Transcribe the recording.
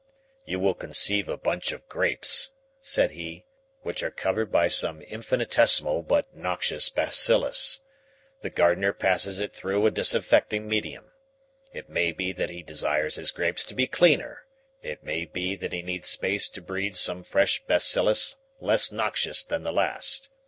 "You will conceive a bunch of grapes," said he, "which are covered by some infinitesimal but noxious bacillus. The gardener passes it through a disinfecting medium. It may be that he desires his grapes to be cleaner. It may be that he needs space to breed some fresh bacillus less noxious than the last.